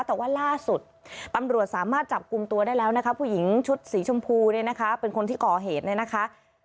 แต่ว่าล่าสุดตำรวจสามารถจับกลุ่มตัวได้แล้วนะคะผู้หญิงชุดสีชมพูเนี่ยนะคะเป็นคนที่ก่อเหตุเนี่ยนะคะ